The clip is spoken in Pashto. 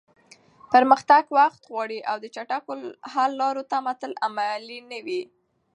پرمختګ وخت غواړي او د چټکو حل لارو تمه تل عملي نه وي.